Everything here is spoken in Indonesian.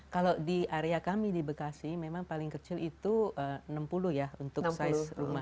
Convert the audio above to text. kalau di area kami di bekasi memang paling kecil itu enam puluh ya untuk size rumah